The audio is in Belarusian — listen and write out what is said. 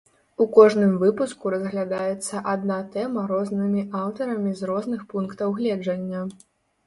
У кожным выпуску разглядаецца адна тэма рознымі аўтарамі з розных пунктаў гледжання.